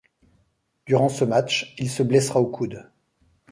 Durant ce match, il se blessera au coude.